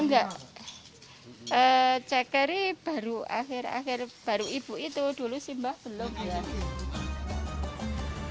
enggak ceker ini baru akhir akhir baru ibu itu dulu sih mbak belum ya